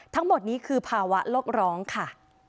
ทั้งหมดนี้คือภาวะโลกร้องค่ะ